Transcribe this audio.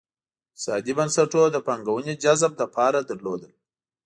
اقتصادي بنسټونو د پانګونې جذب لپاره لرل.